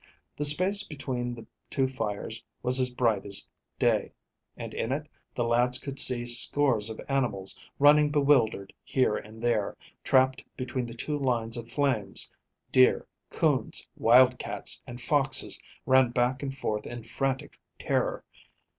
The space between the two fires was as bright as day, and in it the lads could see scores of animals, running bewildered here and there, trapped between the two lines of flames: deer, coons, wild cats and foxes ran back and forth in frantic terror.